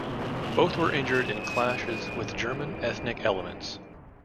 Both were injured in clashes with German ethnic elements.